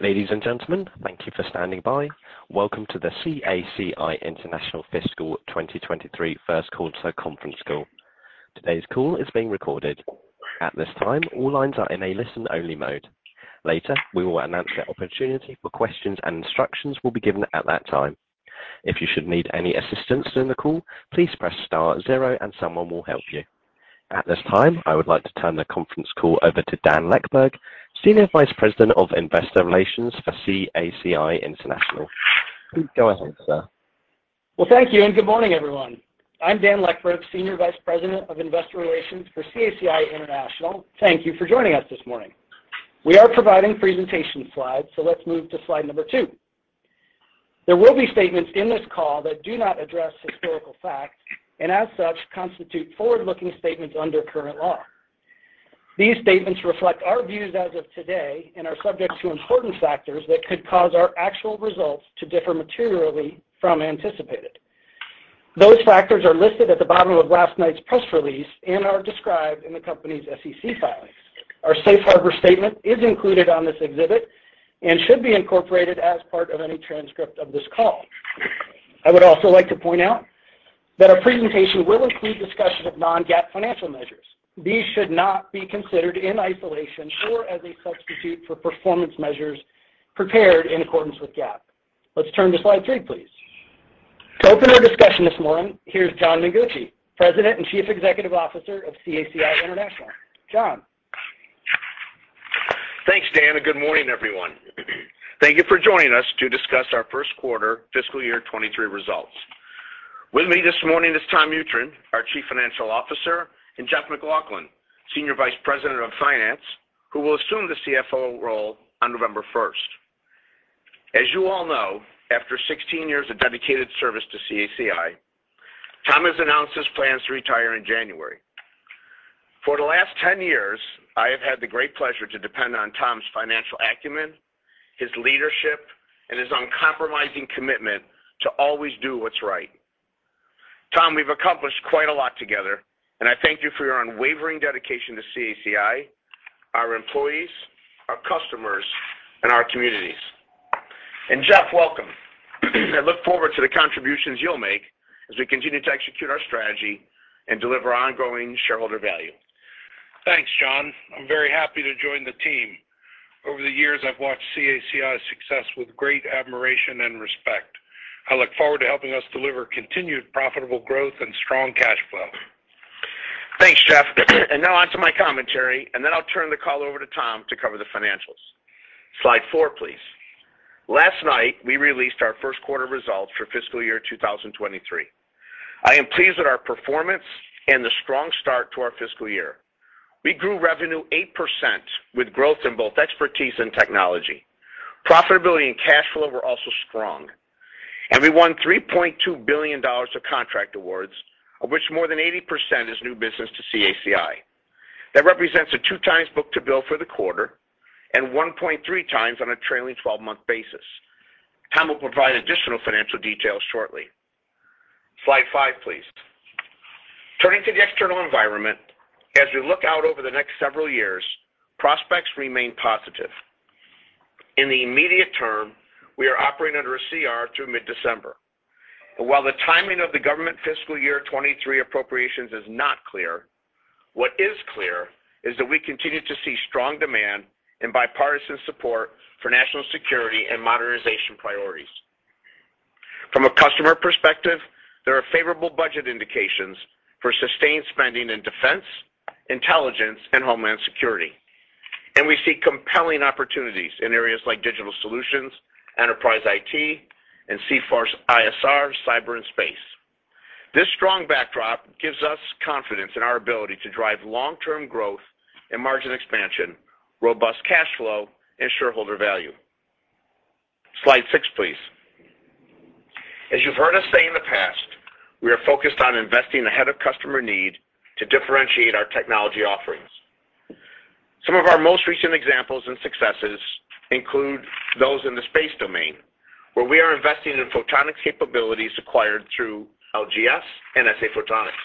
Ladies and gentlemen, thank you for standing by. Welcome to the CACI International Fiscal 2023 First Quarter Conference Call. Today's call is being recorded. At this time, all lines are in a listen-only mode. Later, we will announce the opportunity for questions and instructions will be given at that time. If you should need any assistance in the call, please press star zero and someone will help you. At this time, I would like to turn the conference call over to Dan Leckburg, Senior Vice President of Investor Relations for CACI International. Please go ahead, sir. Well, thank you, and good morning, everyone. I'm Dan Leckburg, Senior Vice President of Investor Relations for CACI International. Thank you for joining us this morning. We are providing presentation slides, so let's move to slide number two. There will be statements in this call that do not address historical facts and as such constitute forward-looking statements under current law. These statements reflect our views as of today and are subject to important factors that could cause our actual results to differ materially from anticipated. Those factors are listed at the bottom of last night's press release and are described in the company's SEC filings. Our safe harbor statement is included on this exhibit and should be incorporated as part of any transcript of this call. I would also like to point out that our presentation will include discussion of non-GAAP financial measures. These should not be considered in isolation or as a substitute for performance measures prepared in accordance with GAAP. Let's turn to slide three, please. To open our discussion this morning, here's John Mengucci, President and Chief Executive Officer of CACI International. John. Thanks, Dan, and good morning, everyone. Thank you for joining us to discuss our first quarter fiscal year 2023 results. With me this morning is Tom Mutryn, our Chief Financial Officer, and Jeffrey MacLauchlan, Senior Vice President of Finance, who will assume the CFO role on November 1st. As you all know, after 16 years of dedicated service to CACI, Tom has announced his plans to retire in January. For the last 10 years, I have had the great pleasure to depend on Tom's financial acumen, his leadership, and his uncompromising commitment to always do what's right. Tom, we've accomplished quite a lot together, and I thank you for your unwavering dedication to CACI, our employees, our customers, and our communities. Jeff, welcome. I look forward to the contributions you'll make as we continue to execute our strategy and deliver ongoing shareholder value. Thanks, John. I'm very happy to join the team. Over the years, I've watched CACI's success with great admiration and respect. I look forward to helping us deliver continued profitable growth and strong cash flow. Thanks, Jeff. Now on to my commentary, and then I'll turn the call over to Tom to cover the financials. Slide four, please. Last night, we released our first quarter results for fiscal year 2023. I am pleased with our performance and the strong start to our fiscal year. We grew revenue 8% with growth in both expertise and technology. Profitability and cash flow were also strong, and we won $3.2 billion of contract awards, of which more than 80% is new business to CACI. That represents a two times book to bill for the quarter and 1.3x on a trailing twelve-month basis. Tom will provide additional financial details shortly. Slide five, please. Turning to the external environment, as we look out over the next several years, prospects remain positive. In the immediate term, we are operating under a CR through mid-December. While the timing of the government fiscal year 2023 appropriations is not clear, what is clear is that we continue to see strong demand and bipartisan support for national security and modernization priorities. From a customer perspective, there are favorable budget indications for sustained spending in defense, intelligence, and homeland security. We see compelling opportunities in areas like digital solutions, enterprise IT, and C4ISR, cyber and space. This strong backdrop gives us confidence in our ability to drive long-term growth and margin expansion, robust cash flow, and shareholder value. Slide six, please. As you've heard us say in the past, we are focused on investing ahead of customer need to differentiate our technology offerings. Some of our most recent examples and successes include those in the space domain, where we are investing in Photonics capabilities acquired through LGS and SA Photonics.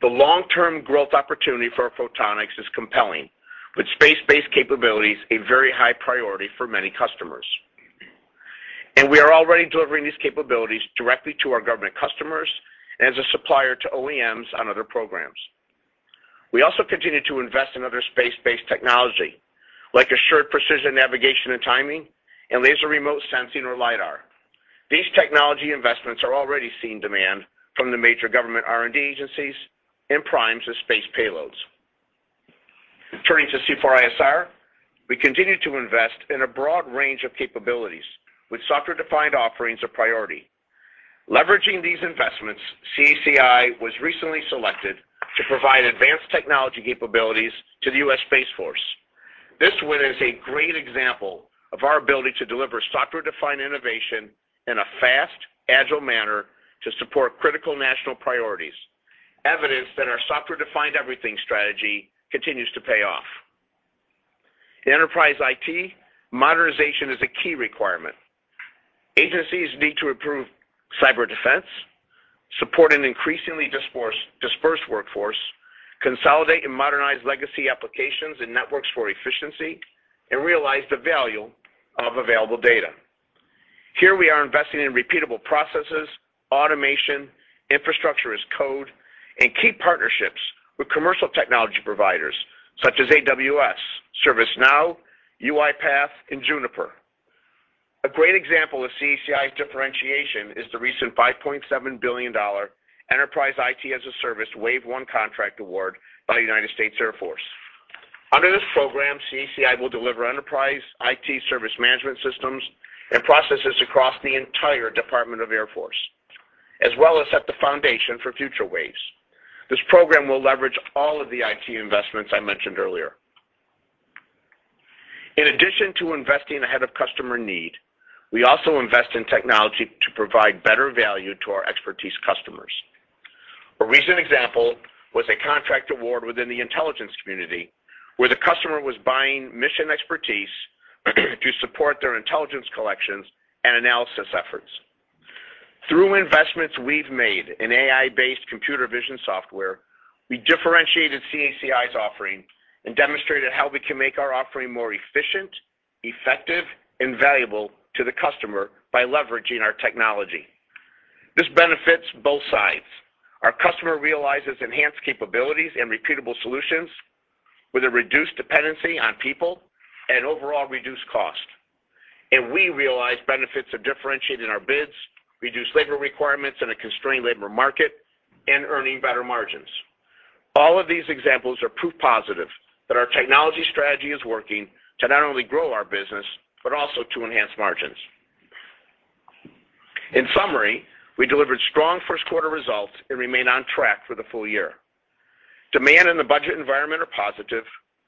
The long-term growth opportunity for Photonics is compelling, with space-based capabilities a very high priority for many customers. We are already delivering these capabilities directly to our government customers and as a supplier to OEMs on other programs. We also continue to invest in other space-based technology, like assured precision navigation and timing and laser remote sensing or lidar. These technology investments are already seeing demand from the major government R&D agencies and primes as space payloads. Turning to C4ISR, we continue to invest in a broad range of capabilities with software-defined offerings a priority. Leveraging these investments, CACI was recently selected to provide advanced technology capabilities to the U.S. Space Force. This win is a great example of our ability to deliver software-defined innovation in a fast, agile manner to support critical national priorities, evidence that our software-defined everything strategy continues to pay off. In enterprise IT, modernization is a key requirement. Agencies need to improve cyber defense, support an increasingly dispersed workforce, consolidate and modernize legacy applications and networks for efficiency, and realize the value of available data. Here we are investing in repeatable processes, automation, infrastructure as code, and key partnerships with commercial technology providers such as AWS, ServiceNow, UiPath, and Juniper. A great example of CACI's differentiation is the recent $5.7 billion enterprise IT as a service wave one contract award by United States Air Force. Under this program, CACI will deliver enterprise IT service management systems and processes across the entire Department of the Air Force, as well as set the foundation for future waves. This program will leverage all of the IT investments I mentioned earlier. In addition to investing ahead of customer need, we also invest in technology to provide better value to our expertise customers. A recent example was a contract award within the intelligence community where the customer was buying mission expertise to support their intelligence collections and analysis efforts. Through investments we've made in AI-based computer vision software, we differentiated CACI's offering and demonstrated how we can make our offering more efficient, effective, and valuable to the customer by leveraging our technology. This benefits both sides. Our customer realizes enhanced capabilities and repeatable solutions with a reduced dependency on people and overall reduced cost. We realize benefits of differentiating our bids, reduced labor requirements in a constrained labor market, and earning better margins. All of these examples are proof positive that our technology strategy is working to not only grow our business, but also to enhance margins. In summary, we delivered strong first quarter results and remain on track for the full year. Demand and the budget environment are positive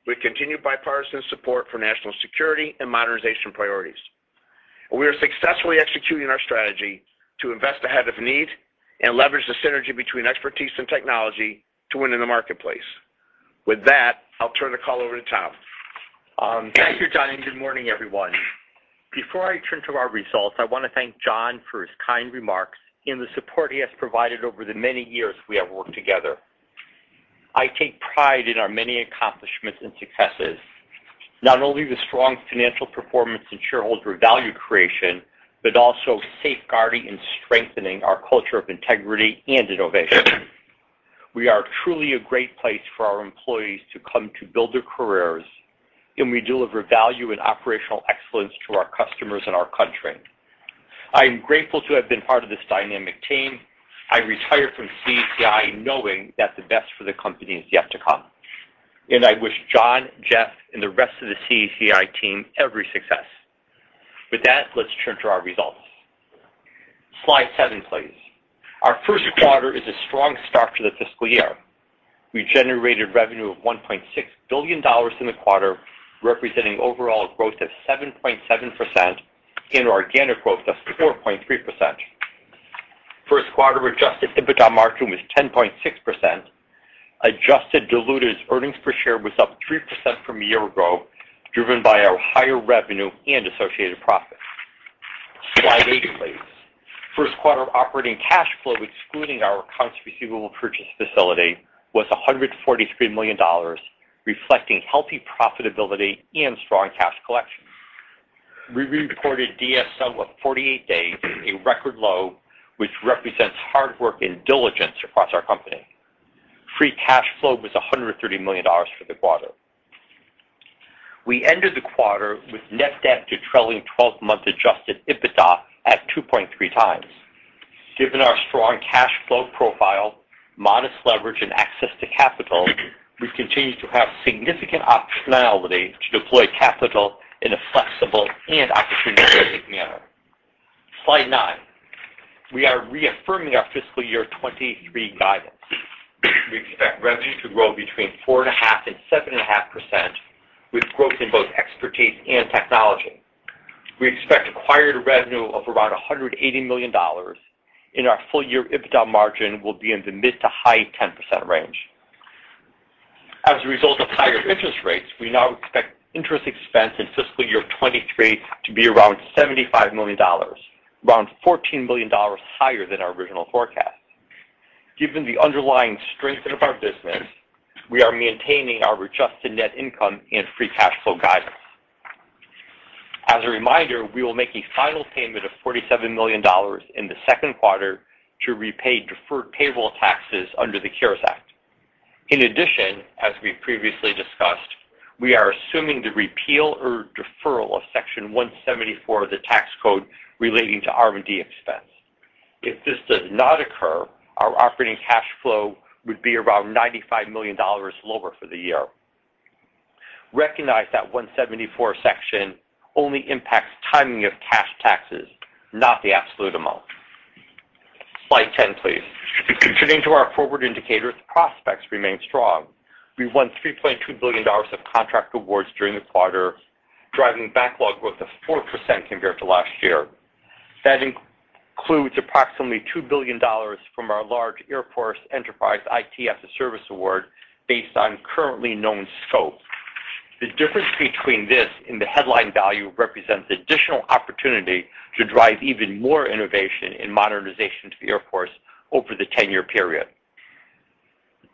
with continued bipartisan support for national security and modernization priorities. We are successfully executing our strategy to invest ahead of need and leverage the synergy between expertise and technology to win in the marketplace. With that, I'll turn the call over to Tom. Thank you, John, and good morning, everyone. Before I turn to our results, I want to thank John for his kind remarks and the support he has provided over the many years we have worked together. I take pride in our many accomplishments and successes, not only the strong financial performance and shareholder value creation, but also safeguarding and strengthening our culture of integrity and innovation. We are truly a great place for our employees to come to build their careers, and we deliver value and operational excellence to our customers and our country. I am grateful to have been part of this dynamic team. I retire from CACI knowing that the best for the company is yet to come. I wish John, Jeff, and the rest of the CACI team every success. With that, let's turn to our results. Slide seven, please. Our first quarter is a strong start to the fiscal year. We generated revenue of $1.6 billion in the quarter, representing overall growth of 7.7% and organic growth of 4.3%. First quarter adjusted EBITDA margin was 10.6%. Adjusted diluted earnings per share was up 3% from a year ago, driven by our higher revenue and associated profits. Slide eight, please. First quarter operating cash flow, excluding our accounts receivable purchase facility, was $143 million, reflecting healthy profitability and strong cash collection. We reported DSO of 48 days, a record low, which represents hard work and diligence across our company. Free cash flow was $130 million for the quarter. We ended the quarter with net debt to trailing twelve-month adjusted EBITDA at 2.3 times. Given our strong cash flow profile, modest leverage, and access to capital, we continue to have significant optionality to deploy capital in a flexible and opportunistic manner. Slide nine. We are reaffirming our fiscal year 2023 guidance. We expect revenue to grow between 4.5% and 7.5%, with growth in both expertise and technology. We expect acquired revenue of around $180 million, and our full-year EBITDA margin will be in the mid- to high-10% range. As a result of higher interest rates, we now expect interest expense in fiscal year 2023 to be around $75 million, around $14 million higher than our original forecast. Given the underlying strength of our business, we are maintaining our adjusted net income and free cash flow guidance. As a reminder, we will make a final payment of $47 million in the second quarter to repay deferred payable taxes under the CARES Act. In addition, as we previously discussed, we are assuming the repeal or deferral of Section 174 of the tax code relating to R&D expense. If this does not occur, our operating cash flow would be around $95 million lower for the year. Recognize that Section 174 only impacts timing of cash taxes, not the absolute amount. Slide 10, please. Turning to our forward indicators, prospects remain strong. We won $3.2 billion of contract awards during the quarter, driving backlog growth of 4% compared to last year. That includes approximately $2 billion from our large Air Force Enterprise IT as a service award based on currently known scope. The difference between this and the headline value represents additional opportunity to drive even more innovation in modernization to the Air Force over the 10-year period.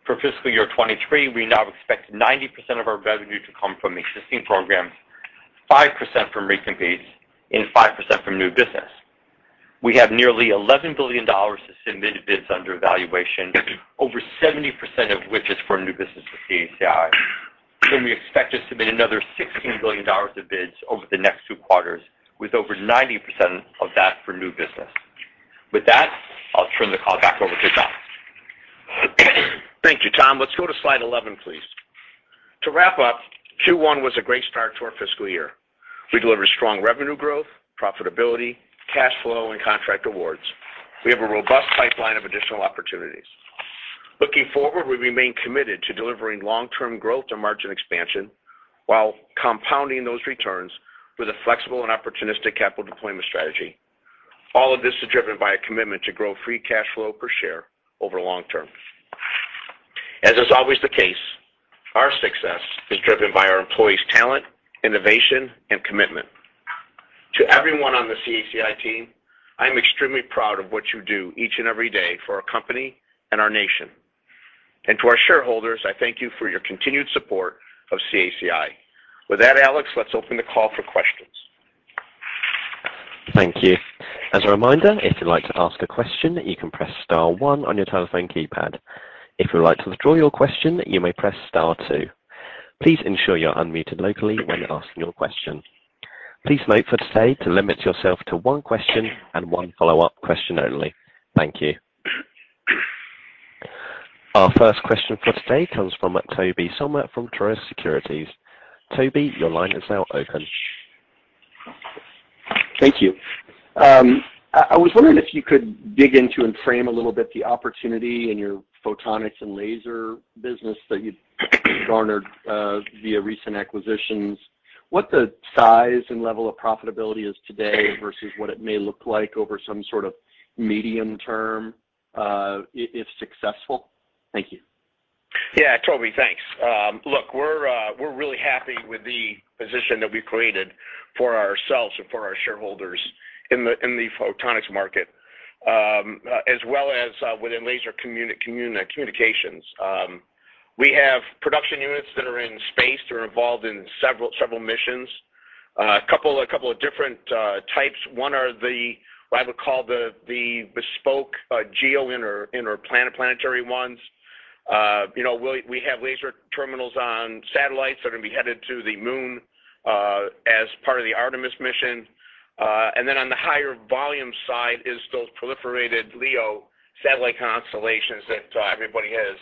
For fiscal year 2023, we now expect 90% of our revenue to come from existing programs, 5% from recompetes and 5% from new business. We have nearly $11 billion of submitted bids under evaluation, over 70% of which is from new business for CACI. We expect to submit another $16 billion of bids over the next two quarters, with over 90% of that for new business. With that, I'll turn the call back over to John. Thank you, Tom. Let's go to slide 11, please. To wrap up, Q1 was a great start to our fiscal year. We delivered strong revenue growth, profitability, cash flow and contract awards. We have a robust pipeline of additional opportunities. Looking forward, we remain committed to delivering long-term growth and margin expansion while compounding those returns with a flexible and opportunistic capital deployment strategy. All of this is driven by a commitment to grow free cash flow per share over long term. As is always the case, our success is driven by our employees' talent, innovation and commitment. To everyone on the CACI team, I am extremely proud of what you do each and every day for our company and our nation. To our shareholders, I thank you for your continued support of CACI. With that, Alex, let's open the call for questions. Thank you. As a reminder, if you'd like to ask a question, you can press star one on your telephone keypad. If you'd like to withdraw your question, you may press star two. Please ensure you're unmuted locally when asking your question. Please note for today to limit yourself to one question and one follow-up question only. Thank you. Our first question for today comes from Tobey Sommer from Truist Securities. Tobey, your line is now open. Thank you. I was wondering if you could dig into and frame a little bit the opportunity in your Photonics and laser business that you've garnered via recent acquisitions. What the size and level of profitability is today versus what it may look like over some sort of medium term, if successful? Thank you. Yeah, Tobey, thanks. Look, we're really happy with the position that we've created for ourselves and for our shareholders in the Photonics market, as well as within laser communications. We have production units that are in space that are involved in several missions. A couple of different types. One are the, what I would call the bespoke geo interplanetary ones. You know, we have laser terminals on satellites that are gonna be headed to the moon, as part of the Artemis mission. And then on the higher volume side is those proliferated LEO satellite constellations that everybody has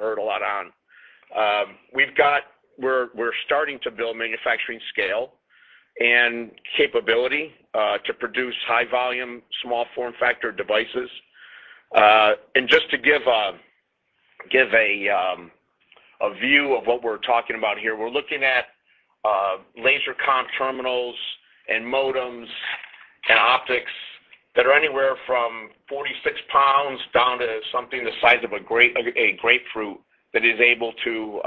heard a lot about. We're starting to build manufacturing scale and capability to produce high volume, small form factor devices. Just to give a view of what we're talking about here, we're looking at laser comm terminals and modems and optics that are anywhere from 46 pounds down to something the size of a grapefruit that is able to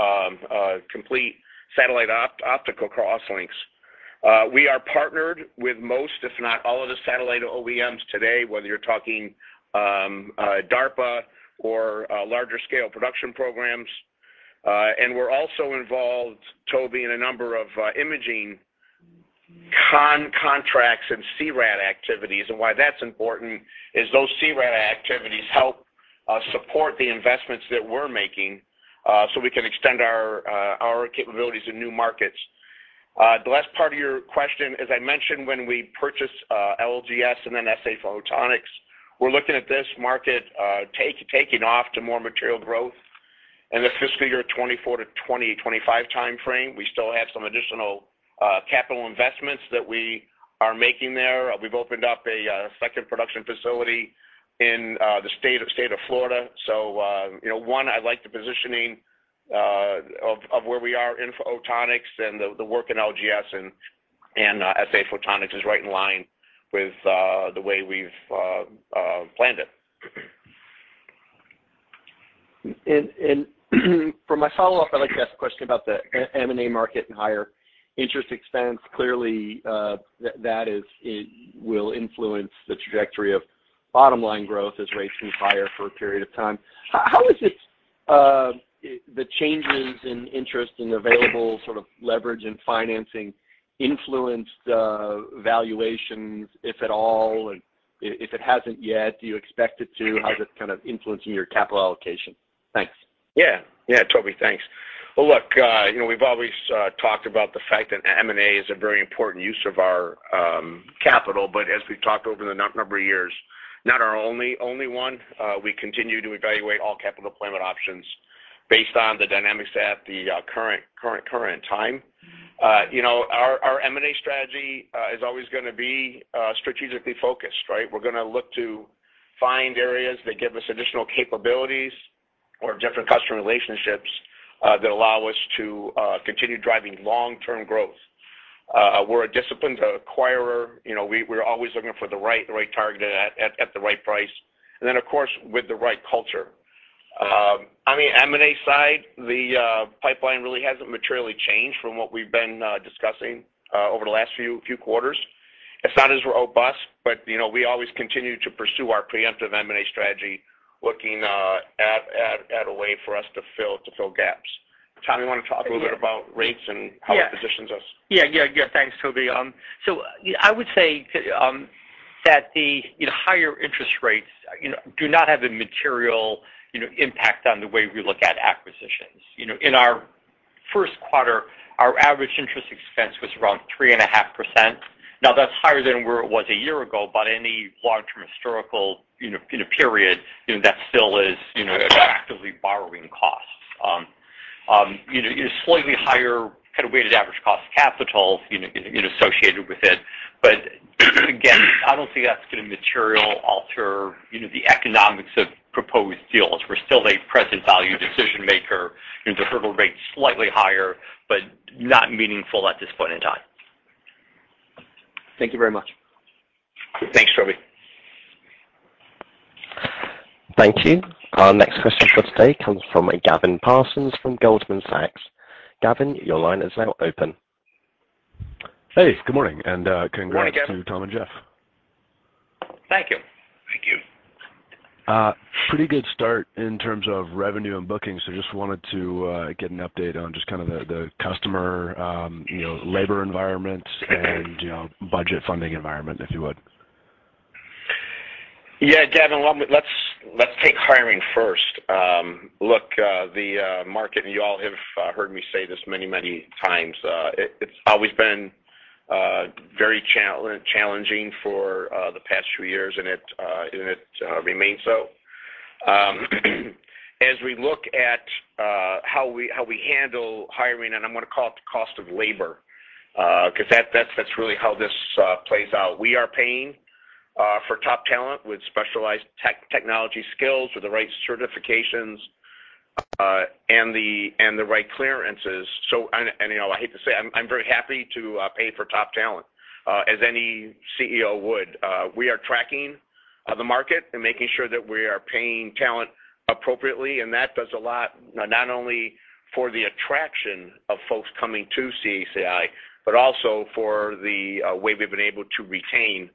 complete satellite optical crosslinks. We are partnered with most, if not all, of the satellite OEMs today, whether you're talking DARPA or larger scale production programs. We're also involved, Tobey, in a number of imaging contracts and CRAD activities. Why that's important is those CRAD activities help support the investments that we're making so we can extend our capabilities in new markets. The last part of your question, as I mentioned, when we purchased LGS and then SA Photonics, we're looking at this market taking off to more material growth in the fiscal year 2024 to 2025 time frame. We still have some additional capital investments that we are making there. We've opened up a second production facility in the state of Florida. You know, one, I like the positioning of where we are in Photonics and the work in LGS and SA Photonics is right in line with the way we've planned it. For my follow-up, I'd like to ask a question about the M&A market and higher interest expense. Clearly, it will influence the trajectory of bottom line growth as rates stay higher for a period of time. How have the changes in interest and available sort of leverage and financing influenced valuations, if at all? If it hasn't yet, do you expect it to? How is it kind of influencing your capital allocation? Thanks. Yeah. Yeah, Tobey. Thanks. Well, look, you know, we've always talked about the fact that M&A is a very important use of our capital, but as we've talked over the number of years, not our only one. We continue to evaluate all capital deployment options based on the dynamics at the current time. You know, our M&A strategy is always gonna be strategically focused, right? We're gonna look to find areas that give us additional capabilities or different customer relationships that allow us to continue driving long-term growth. We're a disciplined acquirer. You know, we're always looking for the right target at the right price. Then, of course, with the right culture. I mean, M&A side, the pipeline really hasn't materially changed from what we've been discussing over the last few quarters. It's not as robust, but you know, we always continue to pursue our preemptive M&A strategy, looking at a way for us to fill gaps. Tom, you wanna talk a little bit about rates and how it positions us? Yeah. Thanks, Tobey. So I would say that the, you know, higher interest rates, you know, do not have a material, you know, impact on the way we look at acquisitions. You know, in our first quarter, our average interest expense was around 3.5%. Now, that's higher than where it was a year ago, but any long-term historical, you know, period, you know, that still is, you know, attractive borrowing costs. You know, slightly higher kind of weighted average cost of capital, you know, associated with it. But again, I don't see that's gonna materially alter, you know, the economics of proposed deals. We're still a present value decision-maker, and the hurdle rate's slightly higher, but not meaningful at this point in time. Thank you very much. Thanks, Tobey. Thank you. Our next question for today comes from Gavin Parsons from Goldman Sachs. Gavin, your line is now open. Hey, good morning, and congrats. Good morning, Gavin. To Tom and Jeff. Thank you. Thank you. Pretty good start in terms of revenue and bookings. Just wanted to get an update on just kind of the customer, you know, labor environment and, you know, budget funding environment, if you would? Yeah, Gavin, let's take hiring first. Look, the market, and you all have heard me say this many, many times, it's always been very challenging for the past few years, and it remains so. As we look at how we handle hiring, and I'm gonna call it the cost of labor, because that's really how this plays out, we are paying for top talent with specialized technology skills, with the right certifications, and the right clearances. You know, I hate to say I'm very happy to pay for top talent, as any CEO would. We are tracking the market and making sure that we are paying talent appropriately, and that does a lot not only for the attraction of folks coming to CACI, but also for the way we've been able to retain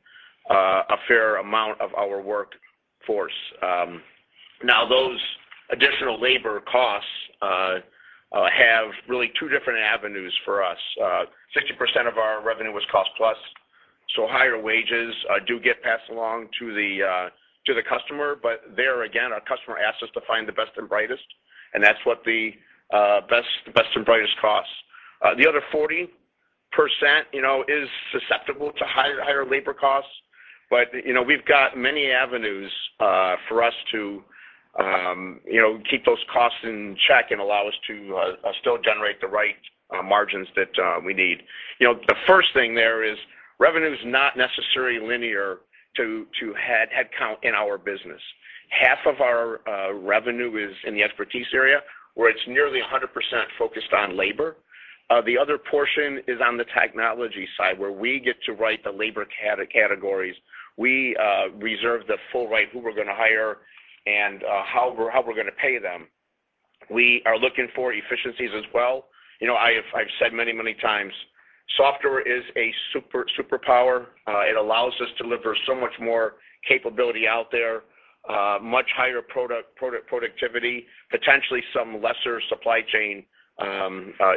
a fair amount of our workforce. Now, those additional labor costs have really two different avenues for us. 60% of our revenue was cost plus, so higher wages do get passed along to the customer. There again, our customer asks us to find the best and brightest, and that's what the best and brightest costs. The other 40%, you know, is susceptible to higher labor costs. You know, we've got many avenues for us to you know keep those costs in check and allow us to still generate the right margins that we need. You know, the first thing there is revenue's not necessarily linear to headcount in our business. Half of our revenue is in the expertise area, where it's nearly 100% focused on labor. The other portion is on the technology side, where we get to write the labor categories. We reserve the full right who we're gonna hire and how we're gonna pay them. We are looking for efficiencies as well. You know, I've said many times, software is a superpower. It allows us to deliver so much more capability out there, much higher product productivity, potentially some lesser supply chain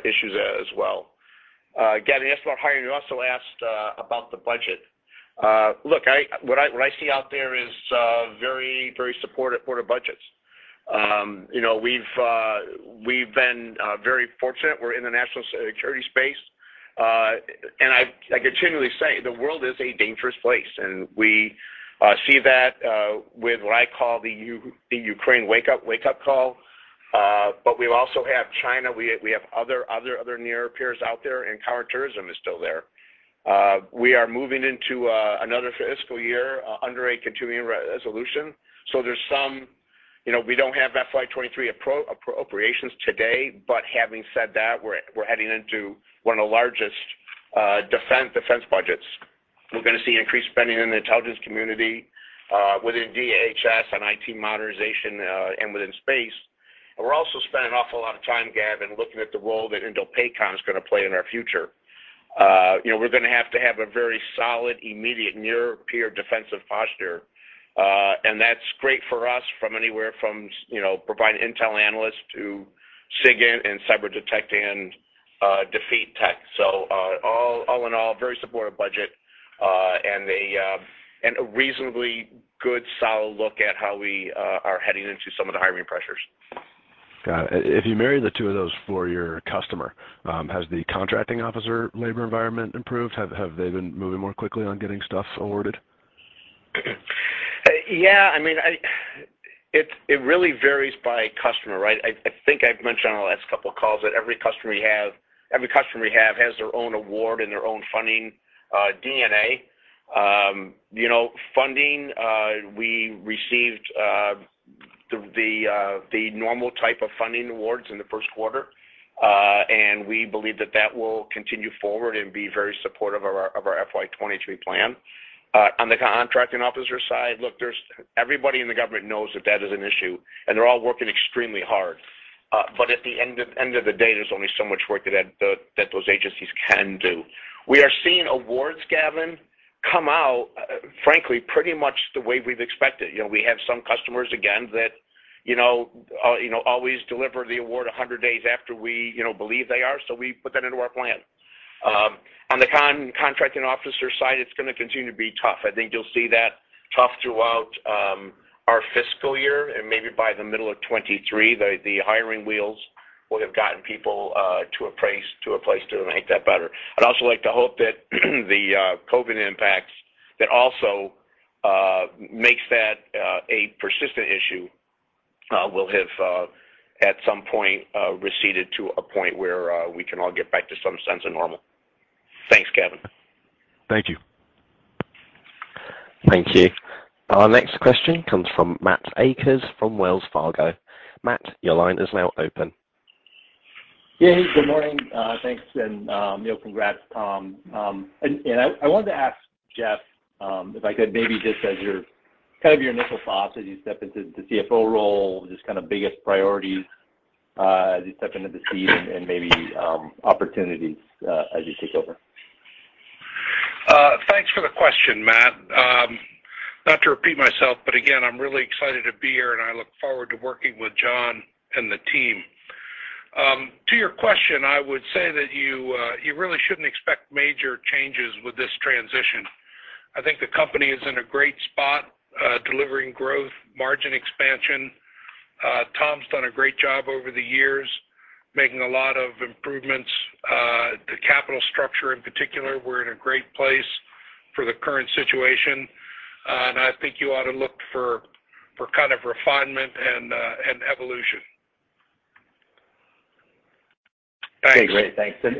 issues as well. Gavin, you asked about hiring, you also asked about the budget. Look, what I see out there is very supportive for the budgets. You know, we've been very fortunate. We're in the national security space. I continually say the world is a dangerous place, and we see that with what I call the Ukraine wake-up call. We also have China, we have other near peers out there, and counterterrorism is still there. We are moving into another fiscal year under a continuing resolution. There's some You know, we don't have FY 2023 appropriations today, but having said that, we're heading into one of the largest defense budgets. We're gonna see increased spending in the intelligence community within DHS on IT modernization and within space. We're also spending an awful lot of time, Gavin, looking at the role that INDOPACOM is gonna play in our future. You know, we're gonna have to have a very solid, immediate, near peer defensive posture. And that's great for us anywhere from providing intel analysts to SIGINT and cyber detect and defeat tech. All in all, very supportive budget and a reasonably good solid look at how we are heading into some of the hiring pressures. Got it. If you marry the two of those for your customer, has the contracting officer labor environment improved? Have they been moving more quickly on getting stuff awarded? Yeah, I mean, it really varies by customer, right? I think I've mentioned on the last couple of calls that every customer we have has their own award and their own funding D&A. You know, the funding we received, the normal type of funding awards in the first quarter. We believe that will continue forward and be very supportive of our FY 2023 plan. On the contracting officer side, look, everybody in the government knows that is an issue, and they're all working extremely hard. At the end of the day, there's only so much work that those agencies can do. We are seeing awards, Gavin, come out, frankly, pretty much the way we've expected. You know, we have some customers again that always deliver the award 100 days after we believe they are. So we put that into our plan. On the contracting officer side, it's gonna continue to be tough. I think you'll see that tough throughout our fiscal year and maybe by the middle of 2023, the hiring wheels will have gotten people to a place to make that better. I'd also like to hope that the COVID impacts that also makes that a persistent issue will have at some point receded to a point where we can all get back to some sense of normal. Thanks, Gavin. Thank you. Thank you. Our next question comes from Matt Akers from Wells Fargo. Matt, your line is now open. Yeah. Good morning. Thanks and, you know, congrats, Tom. I wanted to ask Jeff if I could maybe just your initial thoughts as you step into the CFO role, just kind of biggest priorities as you step into the seat and maybe opportunities as you take over. Thanks for the question, Matt. Not to repeat myself, but again, I'm really excited to be here, and I look forward to working with John and the team. To your question, I would say that you really shouldn't expect major changes with this transition. I think the company is in a great spot, delivering growth, margin expansion. Tom's done a great job over the years, making a lot of improvements. The capital structure in particular, we're in a great place for the current situation. I think you ought to look for kind of refinement and evolution. Okay. Great. Thanks. Then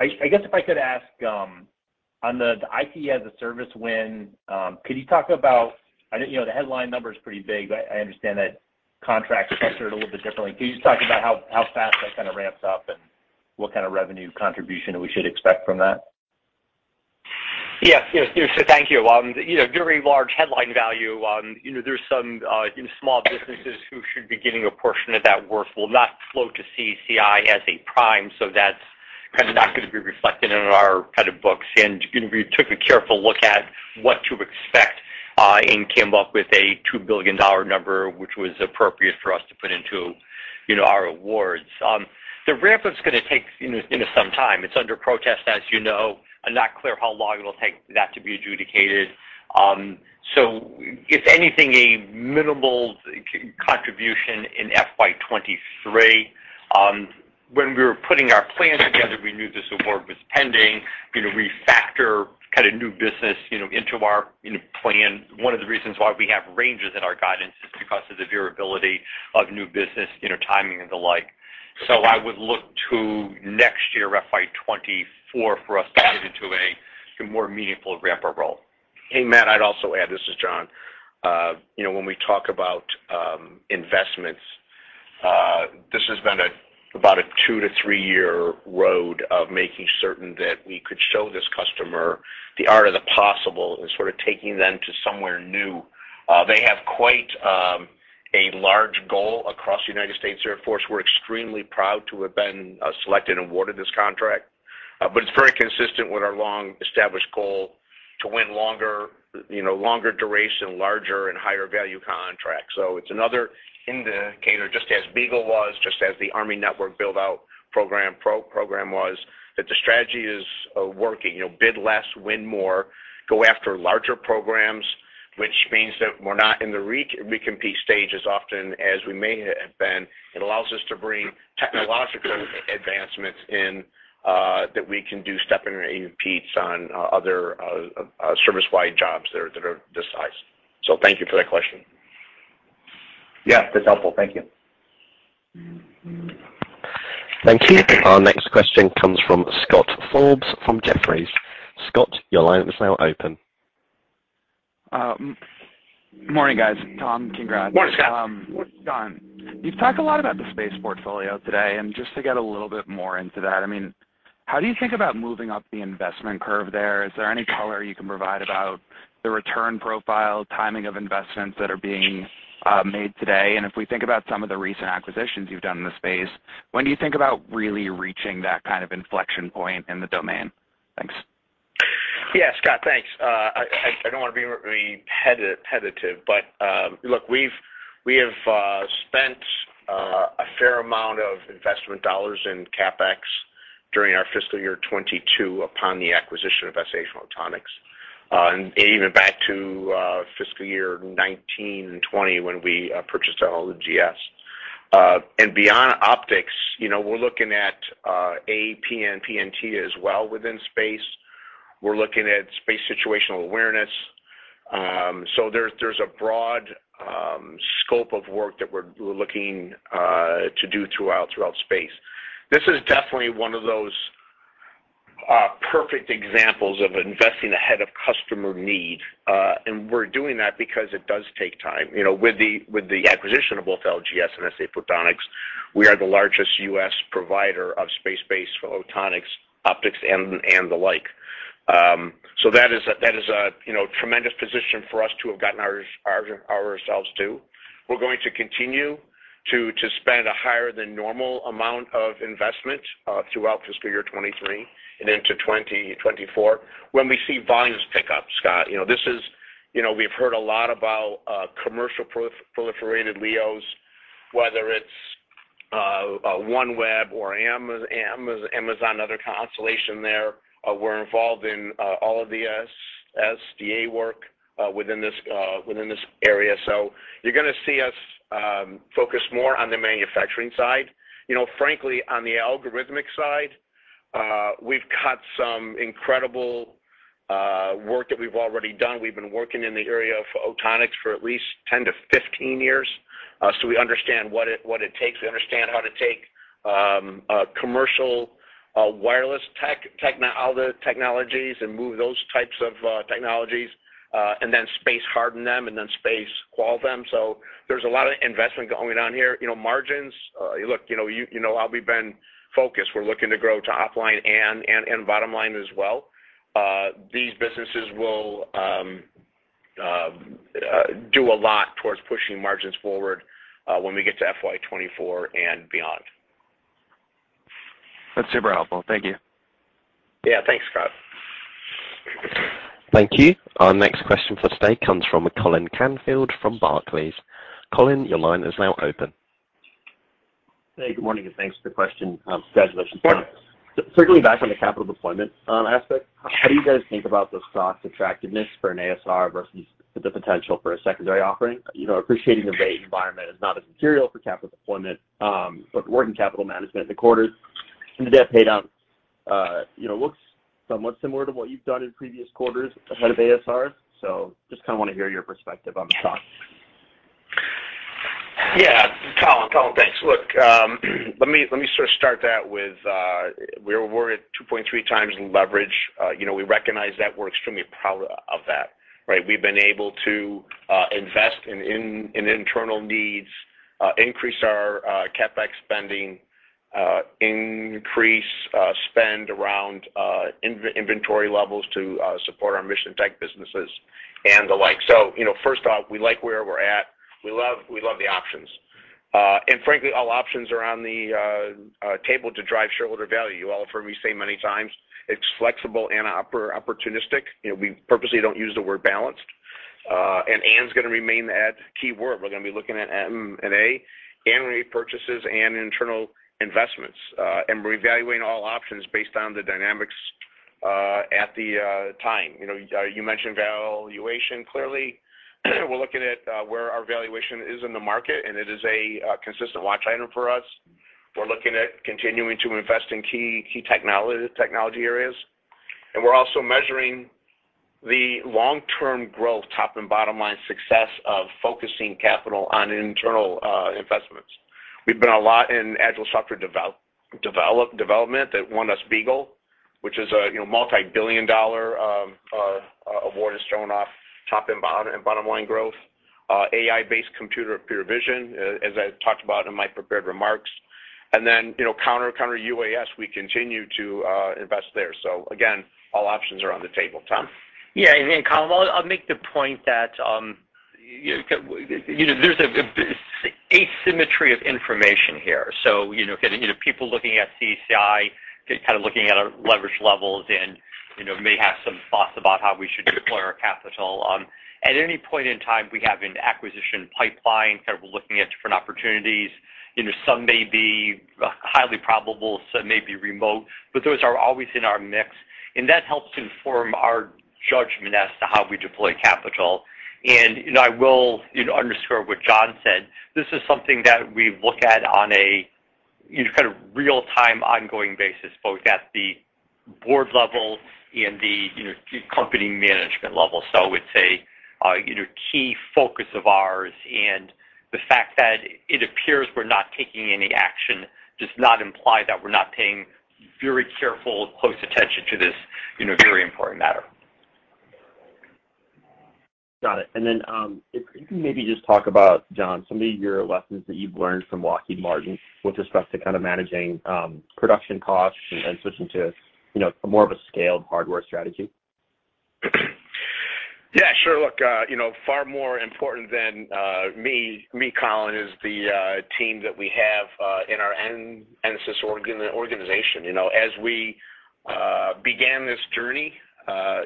I guess if I could ask on the IT as a service win, could you talk about. I know, you know, the headline number is pretty big. I understand that contract structures it a little bit differently. Can you just talk about how fast that kind of ramps up and what kind of revenue contribution we should expect from that? Yes. Thank you. You know, very large headline value. You know, there's some you know, small businesses who should be getting a portion of that work will not flow to CACI as a prime. That's kind of not gonna be reflected in our kind of books. You know, we took a careful look at what to expect and came up with a $2 billion number, which was appropriate for us to put into you know, our awards. The ramp up's gonna take you know, some time. It's under protest, as you know. I'm not clear how long it'll take that to be adjudicated. If anything, a minimal contribution in FY 2023. When we were putting our plan together, we knew this award was pending. You know, we factor kind of new business, you know, into our, you know, plan. One of the reasons why we have ranges in our guidance is because of the variability of new business, you know, timing and the like. I would look to next year, FY 2024, for us to get into a more meaningful ramp-up role. Hey, Matt, I'd also add, this is John. You know, when we talk about investments, this has been about a two to three year road of making certain that we could show this customer the art of the possible and sort of taking them to somewhere new. They have quite a large goal across the United States Air Force. We're extremely proud to have been selected and awarded this contract. It's very consistent with our long-established goal to win longer, you know, longer duration, larger and higher value contracts. It's another indicator, just as BEAGLE was, just as the Army Network Build Out program was, that the strategy is working. You know, bid less, win more, go after larger programs, which means that we're not in the recompete stage as often as we may have been. It allows us to bring technological advancements in that we can do stepping on other service-wide jobs that are this size. Thank you for that question. Yeah, that's helpful. Thank you. Thank you. Our next question comes from Scott Forbes from Jefferies. Scott, your line is now open. Morning, guys. Tom, congrats. Morning, Scott. John, you've talked a lot about the space portfolio today, and just to get a little bit more into that. I mean, how do you think about moving up the investment curve there? Is there any color you can provide about the return profile, timing of investments that are being made today? If we think about some of the recent acquisitions you've done in the space, when do you think about really reaching that kind of inflection point in the domain? Thanks. Yeah, Scott. Thanks. I don't want to be pedantic, but look, we have spent a fair amount of investment dollars in CapEx during our fiscal year 2022 upon the acquisition of SA Photonics, and even back to fiscal year 2019 and 2020 when we purchased LGS. And beyond optics, you know, we're looking at AP and PNT as well within space. We're looking at space situational awareness. So there's a broad scope of work that we're looking to do throughout space. This is definitely one of those are perfect examples of investing ahead of customer need. And we're doing that because it does take time. You know, with the acquisition of both LGS and SA Photonics, we are the largest U.S. provider of space-based Photonics, optics and the like. So that is a tremendous position for us to have gotten ourselves to. We're going to continue to spend a higher than normal amount of investment throughout fiscal year 2023 and into 2024 when we see volumes pick up, Scott. You know, this is, you know, we've heard a lot about commercial proliferated LEOs, whether it's OneWeb or Amazon, other constellation there. We're involved in all of the SDA work within this area. So you're gonna see us focus more on the manufacturing side. You know, frankly, on the algorithmic side, we've got some incredible work that we've already done. We've been working in the area of Photonics for at least 10-15 years, so we understand what it takes. We understand how to take a commercial wireless technologies and move those types of technologies and then space harden them, and then space qual them. There's a lot of investment going on here. You know, margins look, you know how we've been focused. We're looking to grow to top line and bottom line as well. These businesses will do a lot towards pushing margins forward, when we get to FY 2024 and beyond. That's super helpful. Thank you. Yeah, thanks, Scott. Thank you. Our next question for today comes from Colin Canfield from Cantor Fitzgerald. Colin, your line is now open. Hey, good morning, and thanks for the question. Congratulations, John. Sure. Circling back on the capital deployment, aspect, how do you guys think about the stock's attractiveness for an ASR versus the potential for a secondary offering? You know, appreciating the rate environment is not as material for capital deployment, but working capital management in the quarter and the debt pay down, you know, looks somewhat similar to what you've done in previous quarters ahead of ASRs. Just kinda wanna hear your perspective on the stock. Yeah. Colin, thanks. Look, let me sort of start that with, we're at 2.3 times leverage. You know, we recognize that. We're extremely proud of that, right? We've been able to invest in internal needs, increase our CapEx spending, increase spend around inventory levels to support our mission tech businesses and the like. You know, first off, we like where we're at. We love the options. Frankly, all options are on the table to drive shareholder value. You all have heard me say many times, it's flexible and opportunistic. You know, we purposely don't use the word balanced. It's gonna remain that key word. We're gonna be looking at M&A, and repurchases and internal investments. We're evaluating all options based on the dynamics at the time. You know, you mentioned valuation. Clearly, we're looking at where our valuation is in the market, and it is a consistent watch item for us. We're looking at continuing to invest in key technology areas. We're also measuring the long-term growth, top and bottom line success of focusing capital on internal investments. We've invested a lot in agile software development that won us BEAGLE, which is a multi-billion dollar award that's showing top and bottom line growth. AI-based computer vision, as I talked about in my prepared remarks. You know, counter-UAS, we continue to invest there. Again, all options are on the table. Tom. Yeah. Colin, I'll make the point that, you know, there's a asymmetry of information here. So, you know, getting people looking at CACI, kind of looking at our leverage levels and, you know, may have some thoughts about how we should deploy our capital. At any point in time, we have an acquisition pipeline, kind of looking at different opportunities. You know, some may be highly probable, some may be remote, but those are always in our mix, and that helps to inform our judgment as to how we deploy capital. You know, I will, you know, underscore what John said. This is something that we look at on a, you know, kind of real-time ongoing basis, both at the board level and the, you know, company management level. So it's a key focus of ours. The fact that it appears we're not taking any action does not imply that we're not paying very careful, close attention to this, you know, very important matter. Got it. If you can maybe just talk about, John, some of your lessons that you've learned from Lockheed Martin with respect to kind of managing production costs and switching to, you know, more of a scaled hardware strategy. Yeah, sure. Look, you know, far more important than me, Colin, is the team that we have in our NSIS organization. You know, as we began this journey,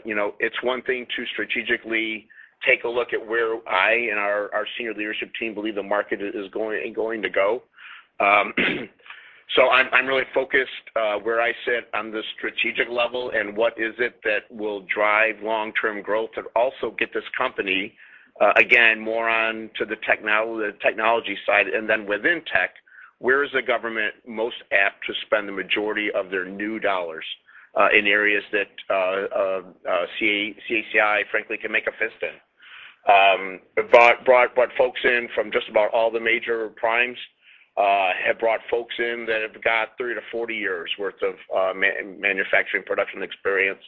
you know, it's one thing to strategically take a look at where I and our senior leadership team believe the market is going to go. I'm really focused where I sit on the strategic level and what is it that will drive long-term growth, but also get this company again more on to the technology side. Within tech, where is the government most apt to spend the majority of their new dollars in areas that CACI frankly can make a fist in. Have brought folks in from just about all the major primes, have brought folks in that have got 30-40 years' worth of manufacturing production experience.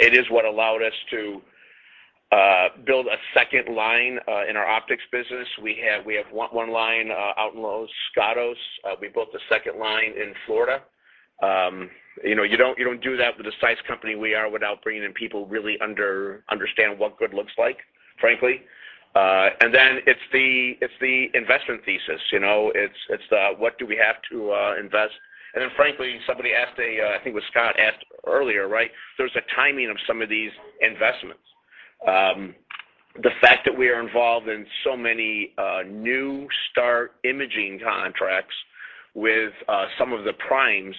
It is what allowed us to build a second line in our optics business. We have one line out in Los Gatos. We built the second line in Florida. You know, you don't do that with the size company we are without bringing in people who really understand what good looks like, frankly. It's the investment thesis, you know. It's the what do we have to invest. Frankly, somebody asked. I think it was Scott asked earlier, right? There's a timing of some of these investments. The fact that we are involved in so many new start imaging contracts with some of the primes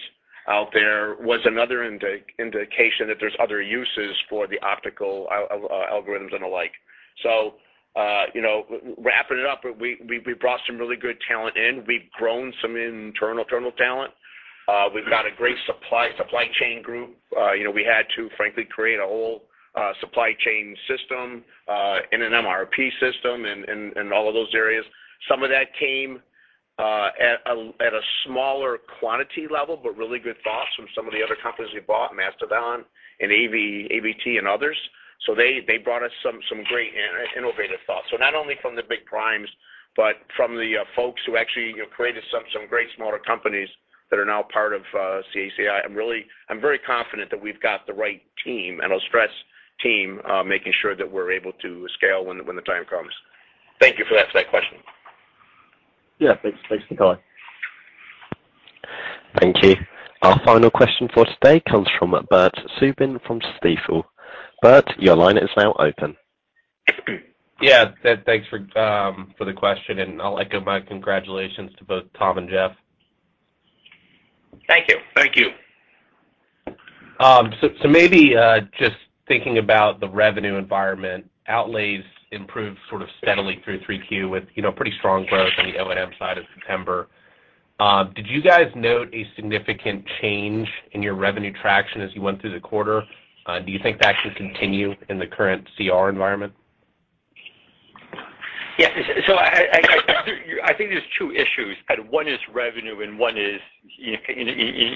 out there was another indication that there's other uses for the optical algorithms and the like. You know, wrapping it up, we brought some really good talent in. We've grown some internal talent. We've got a great supply chain group. You know, we had to frankly create a whole supply chain system and an MRP system and all of those areas. Some of that came at a smaller quantity level, but really good thoughts from some of the other companies we bought, Mastodon and AVT and others. They brought us some great innovative thoughts. Not only from the big primes, but from the folks who actually, you know, created some great smaller companies that are now part of CACI. I'm very confident that we've got the right team, and I'll stress team, making sure that we're able to scale when the time comes. Thank you for asking that question. Yeah. Thanks. Thanks, John. Thank you. Our final question for today comes from Bert Subin from Stifel. Bert, your line is now open. Yeah. Thanks for the question, and I'll echo my congratulations to both Tom and Jeff. Thank you. Thank you. Maybe just thinking about the revenue environment, outlays improved sort of steadily through 3Q with, you know, pretty strong growth on the O&M side of September. Did you guys note a significant change in your revenue traction as you went through the quarter? Do you think that should continue in the current CR environment? Yes. I think there's two issues. Kind of one is revenue and one is you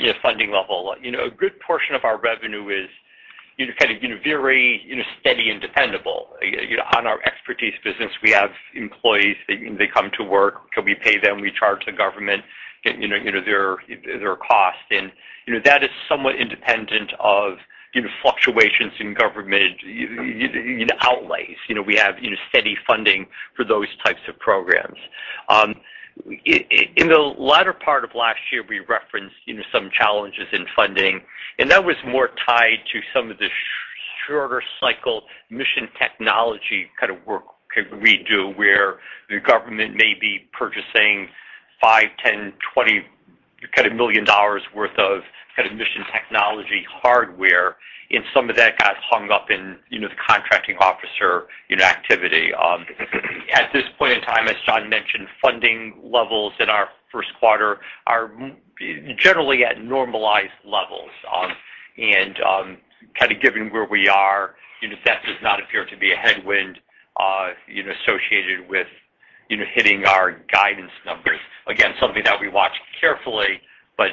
know, funding level. You know, a good portion of our revenue is, you know, kind of, you know, very, you know, steady and dependable. You know, on our expertise business, we have employees. They come to work. We pay them, we charge the government, you know, their cost. You know, that is somewhat independent of, you know, fluctuations in government, you know, outlays. You know, we have, you know, steady funding for those types of programs. In the latter part of last year, we referenced, you know, some challenges in funding, and that was more tied to some of the shorter cycle mission technology kind of work we do, where the government may be purchasing $5 million, $10 million, $20 million kind of worth of kind of mission technology hardware, and some of that got hung up in, you know, the contracting officer, you know, activity. At this point in time, as John mentioned, funding levels in our first quarter are generally at normalized levels. Kind of given where we are, you know, that does not appear to be a headwind, you know, associated with, you know, hitting our guidance numbers. Again, something that we watch carefully, but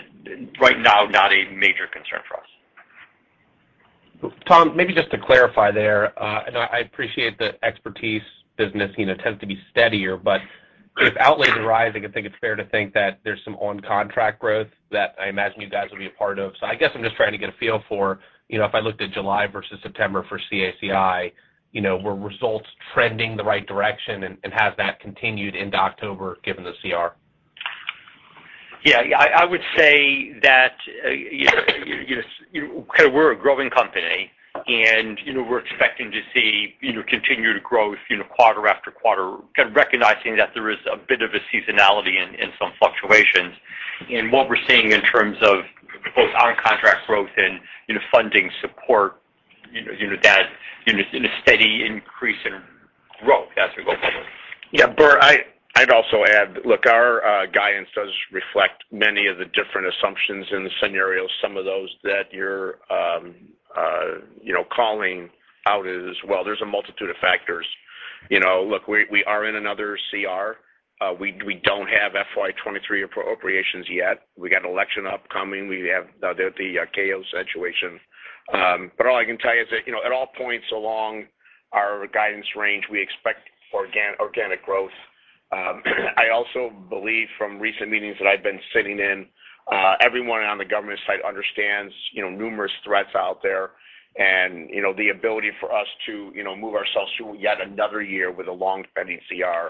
right now, not a major concern for us. Tom, maybe just to clarify there, and I appreciate the expertise business, you know, tends to be steadier. But if outlays are rising, I think it's fair to think that there's some ongoing contract growth that I imagine you guys will be a part of. I guess I'm just trying to get a feel for, you know, if I looked at July versus September for CACI, you know, were results trending the right direction and has that continued into October given the CR? Yeah. I would say that, you know, kind of we're a growing company and, you know, we're expecting to see, you know, continued growth, you know, quarter after quarter, kind of recognizing that there is a bit of a seasonality and some fluctuations. What we're seeing in terms of both on contract growth and, you know, funding support, you know, you know that, you know, in a steady increase in growth as we go forward. Yeah. Bert, I'd also add, look, our guidance does reflect many of the different assumptions in the scenario, some of those that you're, you know, calling out as well. There's a multitude of factors. You know, look, we are in another CR. We don't have FY 2023 appropriations yet. We got election upcoming. We have the KO situation. All I can tell you is that, you know, at all points along our guidance range, we expect organic growth. I also believe from recent meetings that I've been sitting in, everyone on the government side understands, you know, numerous threats out there and, you know, the ability for us to, you know, move ourselves through yet another year with a long-standing CR.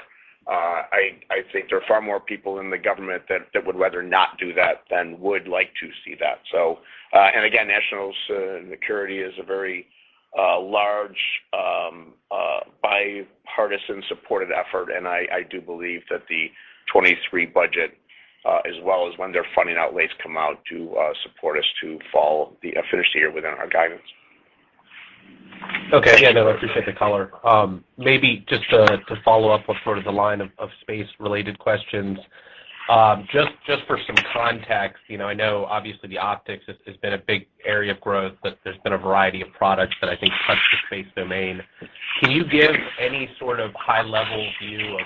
I think there are far more people in the government that would rather not do that than would like to see that. And again, national security is a very large bipartisan supported effort, and I do believe that the 2023 budget, as well as when their funding outlays come out to support us through the fiscal year within our guidance. Okay. Yeah, no, I appreciate the color. Maybe just to follow up with sort of the line of space related questions. Just for some context, you know, I know obviously the optics has been a big area of growth, but there's been a variety of products that I think touch the space domain. Can you give any sort of high level view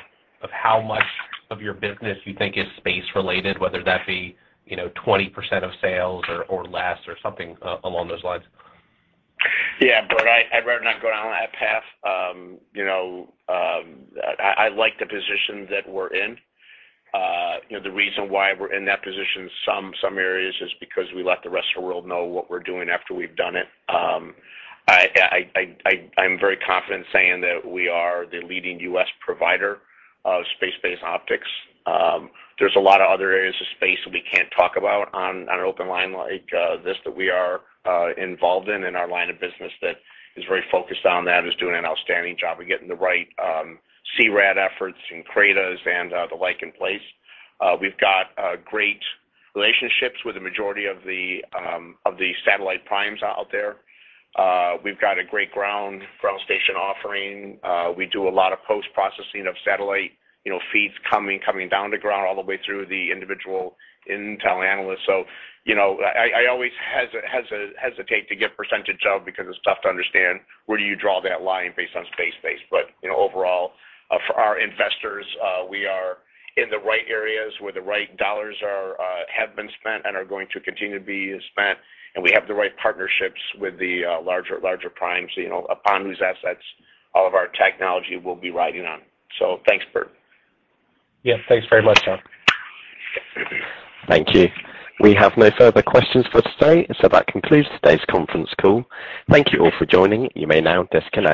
of how much of your business you think is space related, whether that be, you know, 20% of sales or less or something along those lines? Yeah. Bert, I'd rather not go down that path. You know, I like the position that we're in. You know, the reason why we're in that position, some areas is because we let the rest of the world know what we're doing after we've done it. I'm very confident saying that we are the leading U.S. provider of space-based optics. There's a lot of other areas of space we can't talk about on an open line like this that we are involved in our line of business that is very focused on that, is doing an outstanding job of getting the right CRAD efforts and CRADA and the like in place. We've got great relationships with the majority of the satellite primes out there. We've got a great ground station offering. We do a lot of post-processing of satellite, you know, feeds coming down to ground all the way through the individual intel analysts. I always hesitate to give percentage of because it's tough to understand where do you draw that line based on space-based. You know, overall, for our investors, we are in the right areas where the right dollars have been spent and are going to continue to be spent, and we have the right partnerships with the larger primes, you know, upon whose assets all of our technology will be riding on. Thanks, Bert. Yeah. Thanks very much, Tom. Thank you. We have no further questions for today. That concludes today's conference call. Thank you all for joining. You may now disconnect.